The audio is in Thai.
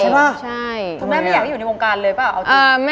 คนแม่มิอยากได้อยู่ในวงการเลยป่ะ